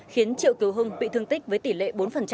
khiến triệu kiều hưng bị thương tích với tỷ lệ bốn